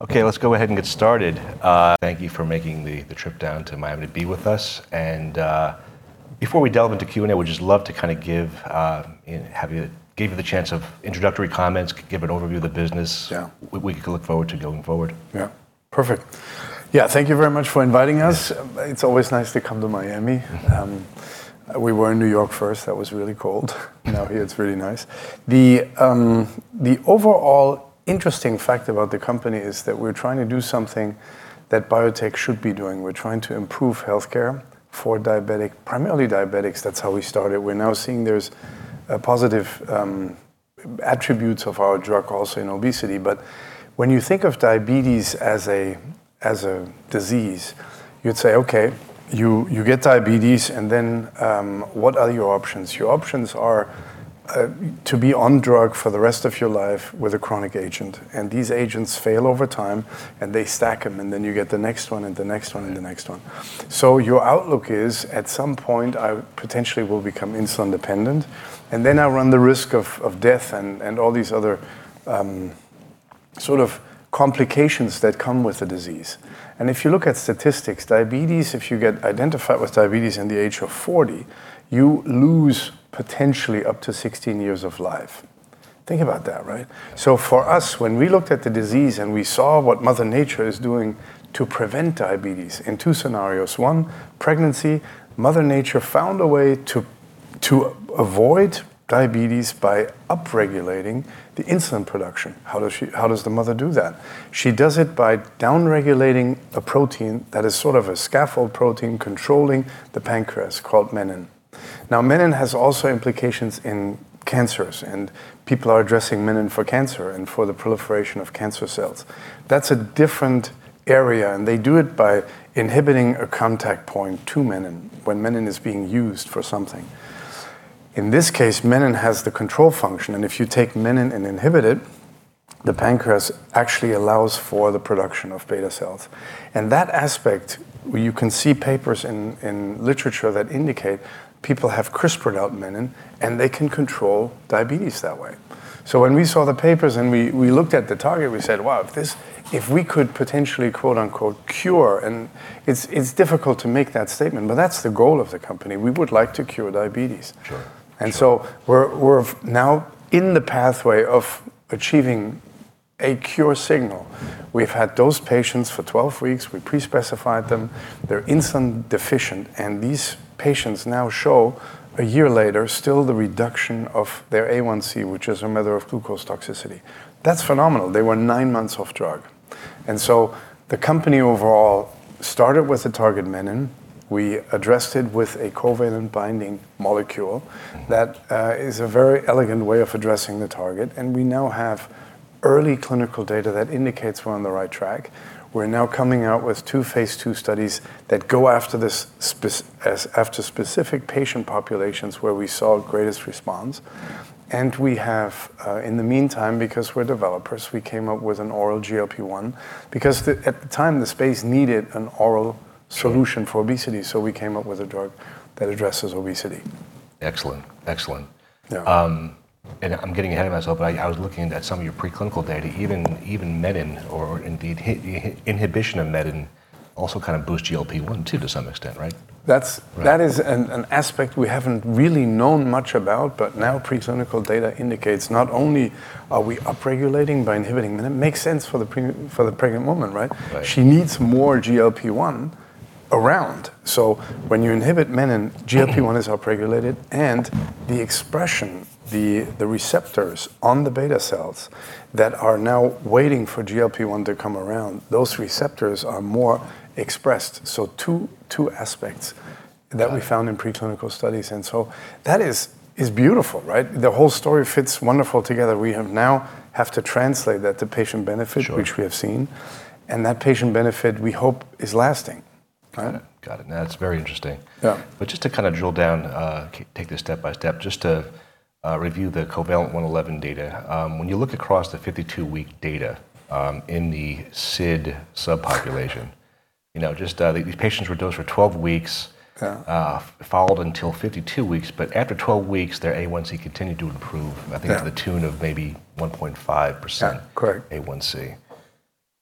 Okay, let's go ahead and get started. Thank you for making the trip down to Miami to be with us. And before we delve into Q&A, we'd just love to kind of give you the chance of introductory comments, give an overview of the business. We can look forward to going forward. Yeah, perfect. Yeah, thank you very much for inviting us. It's always nice to come to Miami. We were in New York first. That was really cold. Now here it's really nice. The overall interesting fact about the company is that we're trying to do something that biotech should be doing. We're trying to improve healthcare for diabetics, primarily diabetics. That's how we started. We're now seeing there's positive attributes of our drug also in obesity. But when you think of diabetes as a disease, you'd say, okay, you get diabetes, and then what are your options? Your options are to be on drugs for the rest of your life with a chronic agent. And these agents fail over time, and they stack them, and then you get the next one, and the next one, and the next one. Your outlook is, at some point, I potentially will become insulin dependent, and then I run the risk of death and all these other sort of complications that come with the disease. And if you look at statistics, diabetes, if you get identified with diabetes in the age of 40, you lose potentially up to 16 years of life. Think about that, right? For us, when we looked at the disease and we saw what Mother Nature is doing to prevent diabetes in two scenarios. One, pregnancy. Mother Nature found a way to avoid diabetes by upregulating the insulin production. How does the mother do that? She does it by downregulating a protein that is sort of a scaffold protein controlling the pancreas called Menin. Now, Menin has also implications in cancers, and people are addressing Menin for cancer and for the proliferation of cancer cells. That's a different area, and they do it by inhibiting a contact point to Menin when Menin is being used for something. In this case, Menin has the control function, and if you take Menin and inhibit it, the pancreas actually allows for the production of beta cells. And that aspect, you can see papers in literature that indicate people have CRISPR-bound Menin, and they can control diabetes that way. So when we saw the papers and we looked at the target, we said, wow, if we could potentially "cure," and it's difficult to make that statement, but that's the goal of the company. We would like to cure diabetes. And so we're now in the pathway of achieving a cure signal. We've had those patients for 12 weeks. We pre-specified them. They're insulin deficient, and these patients now show a year later still the reduction of their A1C, which is a matter of glucose toxicity. That's phenomenal. They were nine months off drug. And so the company overall started with a target Menin. We addressed it with a covalent binding molecule. That is a very elegant way of addressing the target, and we now have early clinical data that indicates we're on the right track. We're now coming out with two phase II studies that go after specific patient populations where we saw greatest response. And we have, in the meantime, because we're developers, we came up with an oral GLP-1 because at the time the space needed an oral solution for obesity, so we came up with a drug that addresses obesity. Excellent. Excellent, and I'm getting ahead of myself, but I was looking at some of your preclinical data. Even Menin, or indeed inhibition of Menin, also kind of boosts GLP-1 too to some extent, right? That is an aspect we haven't really known much about, but now preclinical data indicates not only are we upregulating by inhibiting, and that makes sense for the pregnant woman, right? She needs more GLP-1 around. So when you inhibit menin, GLP-1 is upregulated, and the expression, the receptors on the beta cells that are now waiting for GLP-1 to come around, those receptors are more expressed. So two aspects that we found in preclinical studies, and so that is beautiful, right? The whole story fits wonderfully together. We now have to translate that to patient benefit, which we have seen, and that patient benefit we hope is lasting. Got it. That's very interesting. But just to kind of drill down, take this step by step, just to review the COVALENT-111 data. When you look across the 52-week data in the SID subpopulation, just these patients were dosed for 12 weeks, followed until 52 weeks, but after 12 weeks, their A1C continued to improve, I think to the tune of maybe 1.5% A1C.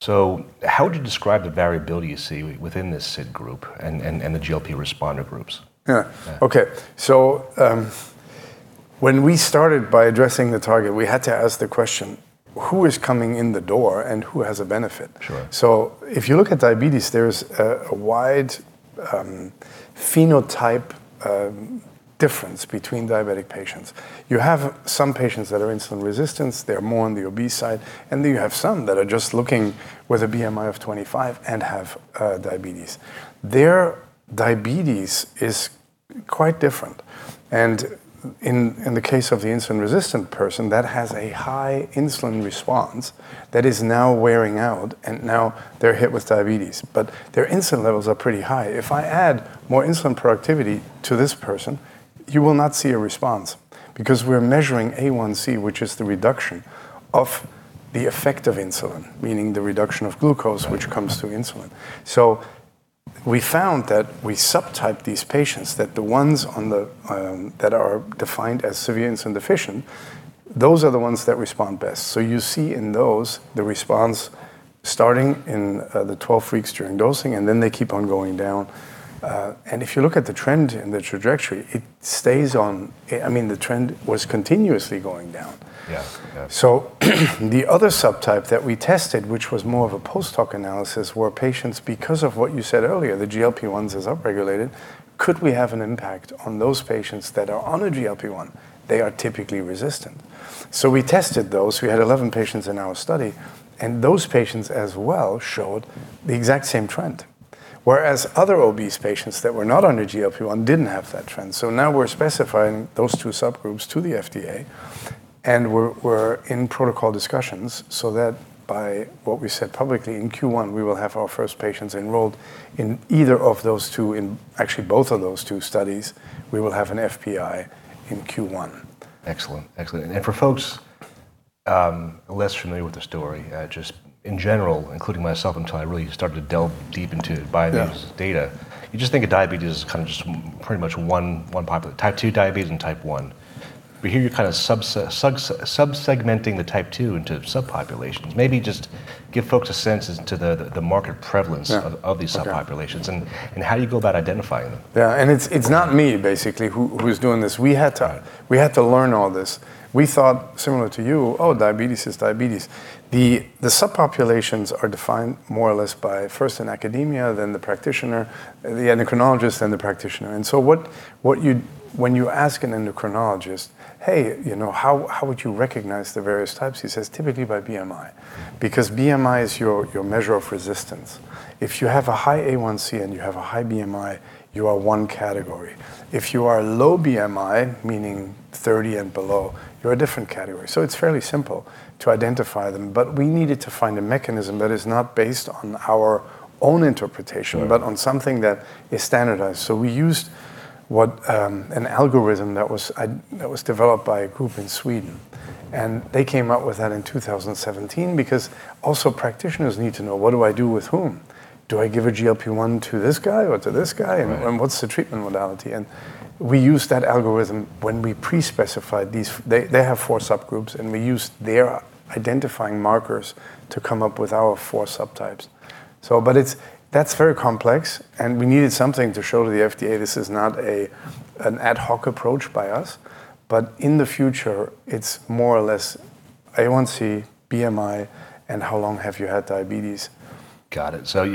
So how would you describe the variability you see within this SID group and the GLP responder groups? Yeah. Okay. So when we started by addressing the target, we had to ask the question, who is coming in the door and who has a benefit? So if you look at diabetes, there's a wide phenotype difference between diabetic patients. You have some patients that are insulin resistant. They're more on the obese side. And then you have some that are just lean with a BMI of 25 and have diabetes. Their diabetes is quite different. And in the case of the insulin resistant person, that has a high insulin response that is now wearing out, and now they're hit with diabetes. But their insulin levels are pretty high. If I add more insulin productivity to this person, you will not see a response because we're measuring A1C, which is the reduction of the effect of insulin, meaning the reduction of glucose, which comes to insulin. So we found that we subtyped these patients, that the ones that are defined as Severe Insulin Deficient, those are the ones that respond best. So you see in those the response starting in the 12 weeks during dosing, and then they keep on going down. And if you look at the trend in the trajectory, it stays on. I mean, the trend was continuously going down. So the other subtype that we tested, which was more of a post-hoc analysis, were patients, because of what you said earlier, the GLP-1 is upregulated, could we have an impact on those patients that are on a GLP-1? They are typically resistant. So we tested those. We had 11 patients in our study, and those patients as well showed the exact same trend, whereas other obese patients that were not on a GLP-1 didn't have that trend. So now we're specifying those two subgroups to the FDA, and we're in protocol discussions so that by what we said publicly in Q1, we will have our first patients enrolled in either of those two, in actually both of those two studies. We will have an FPI in Q1. Excellent. Excellent. And for folks less familiar with the story, just in general, including myself until I really started to delve deep into it by this data, you just think of diabetes as kind of just pretty much one type two diabetes and type one. But here you're kind of subsegmenting the type two into subpopulations. Maybe just give folks a sense as to the market prevalence of these subpopulations and how you go about identifying them. Yeah, and it's not me basically who's doing this. We had to learn all this. We thought similar to you, oh, diabetes is diabetes. The subpopulations are defined more or less by first an academia, then the practitioner, the endocrinologist, then the practitioner, and so when you ask an endocrinologist, hey, how would you recognize the various types? He says, typically by BMI because BMI is your measure of resistance. If you have a high A1C and you have a high BMI, you are one category. If you are low BMI, meaning 30 and below, you're a different category, so it's fairly simple to identify them, but we needed to find a mechanism that is not based on our own interpretation, but on something that is standardized. So we used an algorithm that was developed by a group in Sweden, and they came up with that in 2017 because also practitioners need to know, what do I do with whom? Do I give a GLP-1 to this guy or to this guy? And what's the treatment modality? And we used that algorithm when we pre-specified these. They have four subgroups, and we used their identifying markers to come up with our four subtypes. But that's very complex, and we needed something to show to the FDA. This is not an ad hoc approach by us, but in the future, it's more or less A1C, BMI, and how long have you had diabetes. Got it. So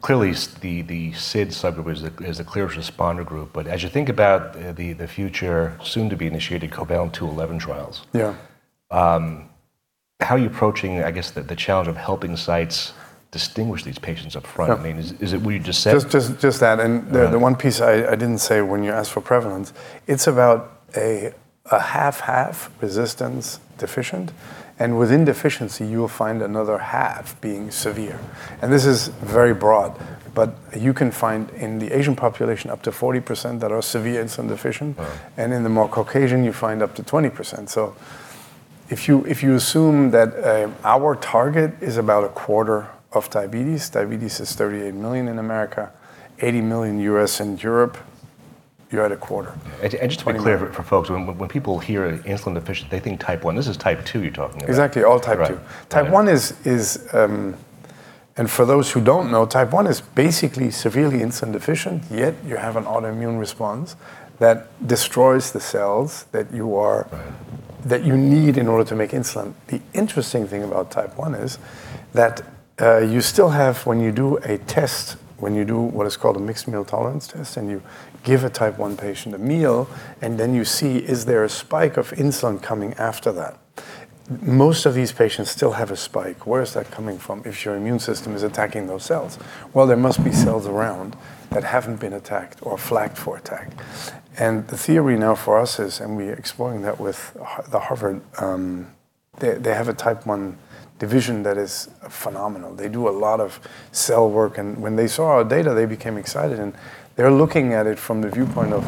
clearly the SID subgroup is the clearest responder group, but as you think about the future soon to be initiated COVALENT-211 trials, how are you approaching, I guess, the challenge of helping sites distinguish these patients upfront? I mean, is it what you just said? Just that, and the one piece I didn't say when you asked for prevalence, it's about a half-half resistance deficient, and within deficiency, you'll find another half being severe, and this is very broad, but you can find in the Asian population up to 40% that are severe insulin deficient, and in the more Caucasian, you find up to 20%. So if you assume that our target is about a quarter of diabetes, diabetes is 38 million in America, 80 million U.S. and Europe, you're at a quarter. Just to be clear for folks, when people hear insulin deficient, they think type one. This is type two you're talking about. Exactly. All type two. Type one is, and for those who don't know, type one is basically severely insulin deficient, yet you have an autoimmune response that destroys the cells that you need in order to make insulin. The interesting thing about type one is that you still have, when you do a test, when you do what is called a mixed meal tolerance test, and you give a type one patient a meal, and then you see, is there a spike of insulin coming after that? Most of these patients still have a spike. Where is that coming from if your immune system is attacking those cells? Well, there must be cells around that haven't been attacked or flagged for attack and the theory now for us is, and we are exploring that with Harvard. They have a type one division that is phenomenal. They do a lot of cell work, and when they saw our data, they became excited, and they're looking at it from the viewpoint of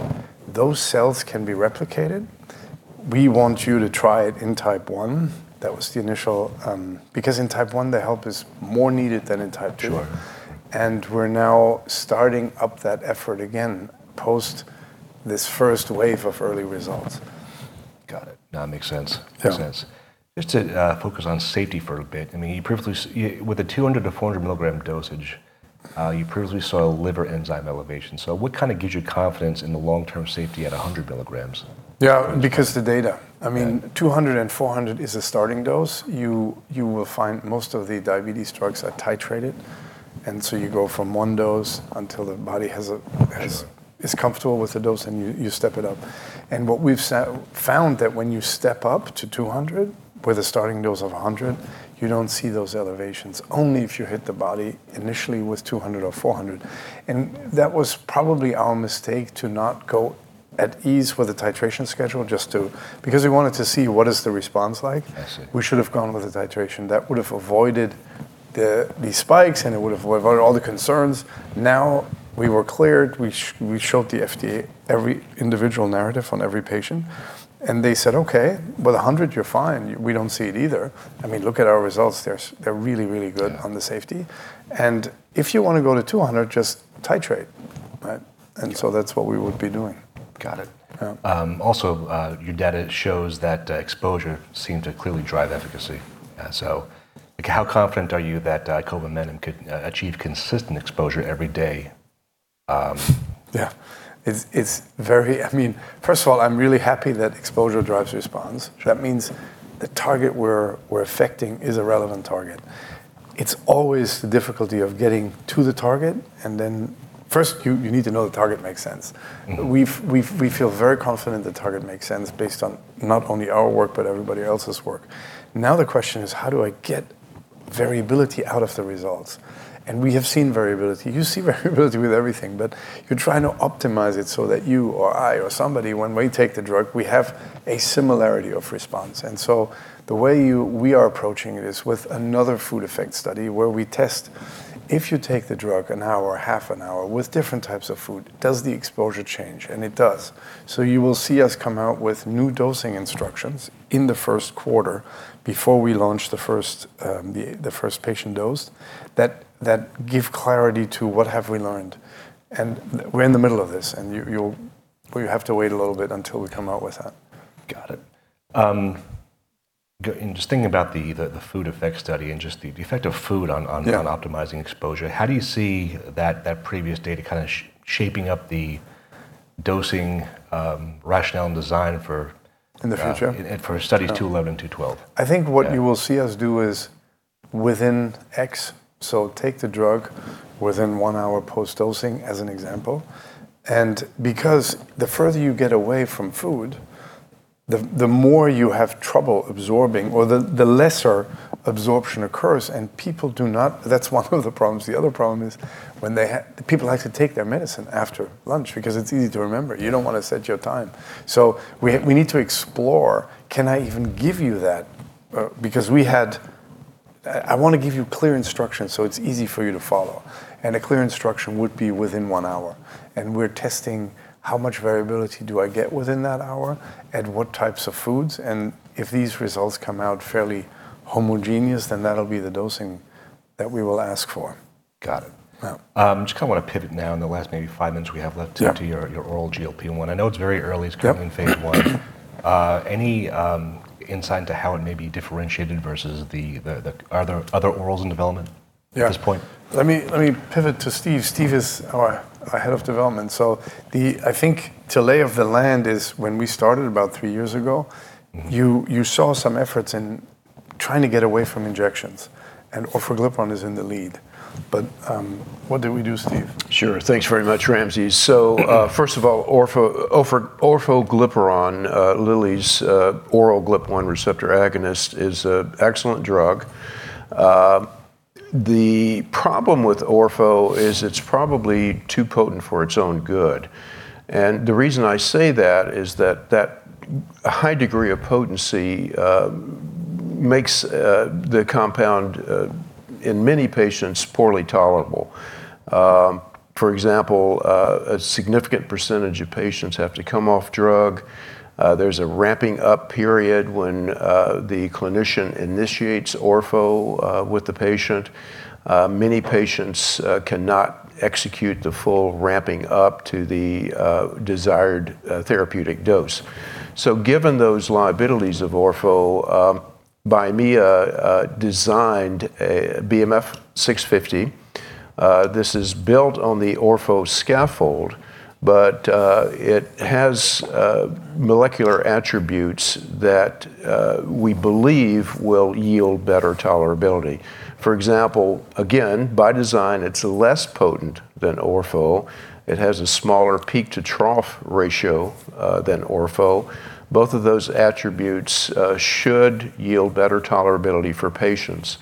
those cells can be replicated. We want you to try it in type one. That was the initial because in type one, the help is more needed than in type two. And we're now starting up that effort again post this first wave of early results. Got it. That makes sense. Makes sense. Just to focus on safety for a bit. I mean, with a 200 to 400 milligram dosage, you previously saw liver enzyme elevation. So what kind of gives you confidence in the long-term safety at 100 milligrams? Yeah, because the data. I mean, 200 and 400 is a starting dose. You will find most of the diabetes drugs are titrated, and so you go from one dose until the body is comfortable with the dose, and you step it up. And what we've found that when you step up to 200 with a starting dose of 100, you don't see those elevations only if you hit the body initially with 200 or 400. And that was probably our mistake to not go at ease with the titration schedule just to, because we wanted to see what is the response like. We should have gone with the titration. That would have avoided the spikes, and it would have avoided all the concerns. Now we were cleared. We showed the FDA every individual narrative on every patient, and they said, okay, with 100, you're fine. We don't see it either. I mean, look at our results. They're really, really good on the safety. And if you want to go to 200, just titrate. And so that's what we would be doing. Got it. Also, your data shows that exposure seemed to clearly drive efficacy. So how confident are you that covalent menin could achieve consistent exposure every day? Yeah. I mean, first of all, I'm really happy that exposure drives response. That means the target we're affecting is a relevant target. It's always the difficulty of getting to the target, and then first you need to know the target makes sense. We feel very confident the target makes sense based on not only our work, but everybody else's work. Now the question is, how do I get variability out of the results? And we have seen variability. You see variability with everything, but you're trying to optimize it so that you or I or somebody, when we take the drug, we have a similarity of response. And so the way we are approaching it is with another food effect study where we test if you take the drug an hour, half an hour with different types of food, does the exposure change? And it does. So, you will see us come out with new dosing instructions in the first quarter before we launch the first patient dose that give clarity to what have we learned. And we're in the middle of this, and we have to wait a little bit until we come out with that. Got it. Just thinking about the food effect study and just the effect of food on optimizing exposure, how do you see that previous data kind of shaping up the dosing rationale and design for? In the future? For studies 211 and 212? I think what you will see us do is within X, so take the drug within one hour post-dosing as an example. And because the further you get away from food, the more you have trouble absorbing or the lesser absorption occurs, and people do not, that's one of the problems. The other problem is when people like to take their medicine after lunch because it's easy to remember. You don't want to set your time. So we need to explore, can I even give you that? Because I want to give you clear instructions so it's easy for you to follow. And a clear instruction would be within one hour. And we're testing how much variability do I get within that hour and what types of foods. And if these results come out fairly homogeneous, then that'll be the dosing that we will ask for. Got it. Just kind of want to pivot now in the last maybe five minutes we have left to your oral GLP-1. I know it's very early. It's currently in phase I. Any insight into how it may be differentiated versus the other orals in development at this point? Let me pivot to Steve. Steve is our head of development, so I think the lay of the land is when we started about three years ago, you saw some efforts in trying to get away from injections, and Orforglipron is in the lead, but what did we do, Steve? Sure. Thanks very much, Ramses. So first of all, Orforglipron, Lilly's oral GLP-1 receptor agonist, is an excellent drug. The problem with Orpho is it's probably too potent for its own good. And the reason I say that is that that high degree of potency makes the compound in many patients poorly tolerable. For example, a significant percentage of patients have to come off drug. There's a ramping up period when the clinician initiates Orpho with the patient. Many patients cannot execute the full ramping up to the desired therapeutic dose. So given those liabilities of Orpho, Biomea designed a BMF-650. This is built on the Orpho scaffold, but it has molecular attributes that we believe will yield better tolerability. For example, again, by design, it's less potent than Orpho. It has a smaller peak to trough ratio than Orpho. Both of those attributes should yield better tolerability for patients.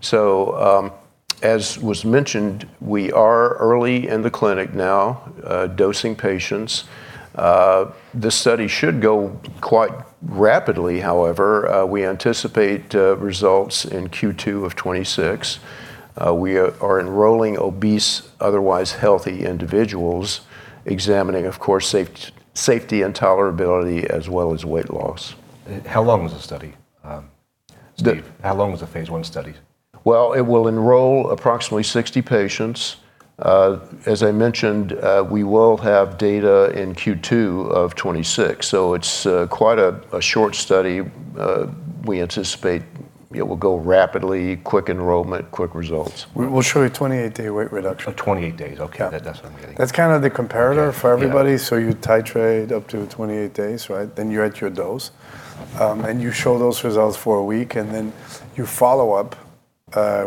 So as was mentioned, we are early in the clinic now dosing patients. This study should go quite rapidly, however. We anticipate results in Q2 of 2026. We are enrolling obese, otherwise healthy individuals, examining, of course, safety and tolerability as well as weight loss. How long was the study? How long was the phase I study? It will enroll approximately 60 patients. As I mentioned, we will have data in Q2 of 2026. It's quite a short study. We anticipate it will go rapidly, quick enrollment, quick results. We'll show you 28-day weight reduction. 28 days. Okay. That's what I'm getting. That's kind of the comparator for everybody. So you titrate up to 28 days, right? Then you're at your dose, and you show those results for a week, and then you follow up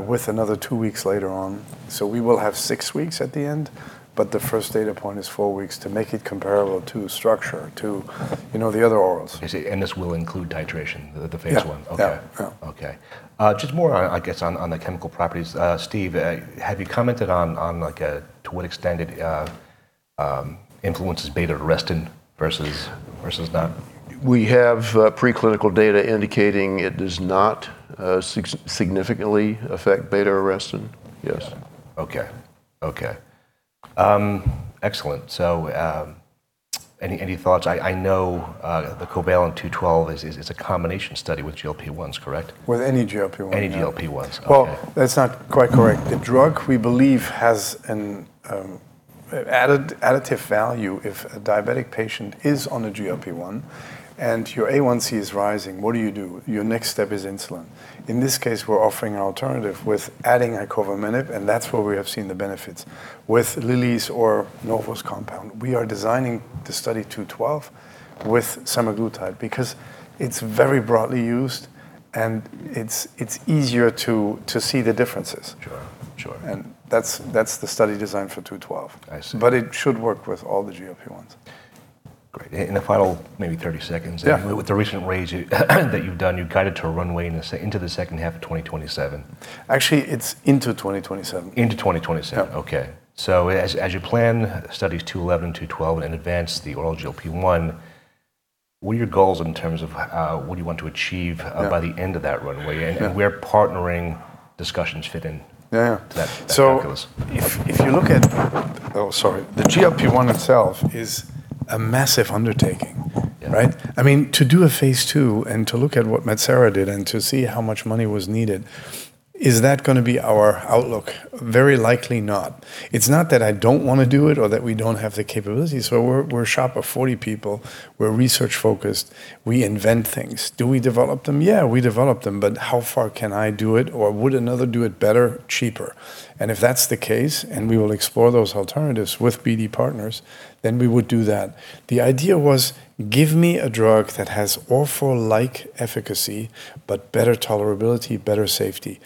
with another two weeks later on. So we will have six weeks at the end, but the first data point is four weeks to make it comparable to structure, to the other orals. This will include titration, the phase I. Yeah. Okay. Just more, I guess, on the chemical properties. Steve, have you commented on to what extent it influences beta-arrestin versus not? We have preclinical data indicating it does not significantly affect Beta-arrestin. Yes. Okay. Okay. Excellent. So any thoughts? I know the COVALENT-212 is a combination study with GLP-1s, correct? With any GLP-1. Any GLP-1s. That's not quite correct. The drug we believe has an additive value if a diabetic patient is on a GLP-1, and your A1C is rising, what do you do? Your next step is insulin. In this case, we're offering an alternative with adding Covalmenib, and that's where we have seen the benefits. With Lilly's or Novo Nordisk's compound, we are designing the study 212 with semaglutide because it's very broadly used, and it's easier to see the differences. And that's the study design for 212. But it should work with all the GLP-1s. Great. In the final maybe 30 seconds, with the recent reads that you've done, you guided to a runway into the second half of 2027. Actually, it's into 2027. Into 2027. Okay. So as you plan studies 211, 212, and advance the oral GLP-1, what are your goals in terms of what do you want to achieve by the end of that runway? And where partnering discussions fit in? Yeah. The GLP-1 itself is a massive undertaking, right? I mean, to do a phase II and to look at what Metsera did and to see how much money was needed, is that going to be our outlook? Very likely not. It's not that I don't want to do it or that we don't have the capability. So we're a shop of 40 people. We're research-focused. We invent things. Do we develop them? Yeah, we develop them, but how far can I do it or would another do it better, cheaper? And if that's the case, and we will explore those alternatives with BD partners, then we would do that. The idea was, give me a drug that has Orforglipron-like efficacy, but better tolerability, better safety.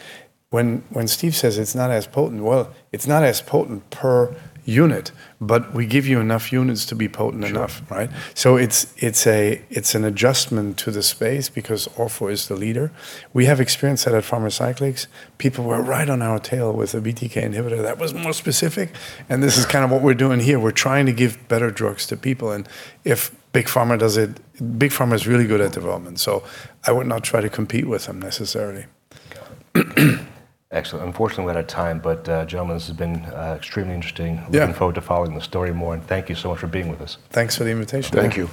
When Steve says it's not as potent, well, it's not as potent per unit, but we give you enough units to be potent enough, right? So it's an adjustment to the space because Orforglipron is the leader. We have experience at Pharmacyclics. People were right on our tail with a BTK inhibitor that was more specific. And this is kind of what we're doing here. We're trying to give better drugs to people. And if Big Pharma does it, Big Pharma is really good at development. So I would not try to compete with them necessarily. Excellent. Unfortunately, we're out of time, but gentlemen, this has been extremely interesting. Looking forward to following the story more. And thank you so much for being with us. Thanks for the invitation. Thank you.